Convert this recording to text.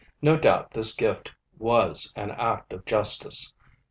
No doubt this gift was an act of justice.